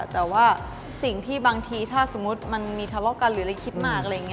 แต่ว่าสิ่งที่บางทีถ้ามีทะเลาะกัน